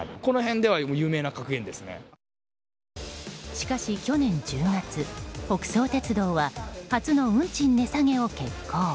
しかし去年１０月、北総鉄道は初の運賃値下げを決行。